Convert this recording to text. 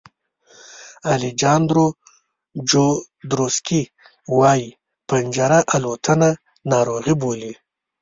الیجاندرو جودروسکي وایي پنجره الوتنه ناروغي بولي.